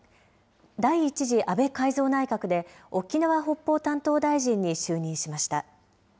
第１次安倍改造内閣で、沖縄・北方担当大臣に就任しました。